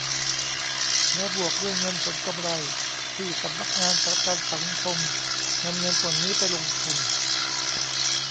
และบวกด้วยเงินผลกำไรที่สำนักงานประกันสังคมนำเงินส่วนนี้ไปลงทุน